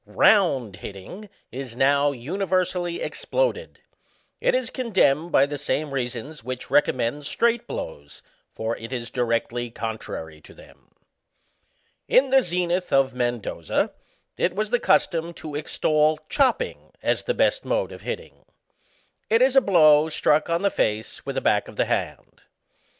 Round hitting is now universally exploded ; it is condemned by the same reasons which recommend straight blows, for it is directly contrary to them. In the zenith of Mendoza, it was the custom to extol c/iopping, as the best mode of hitting. It is a blow struck on the face with the back of the hand.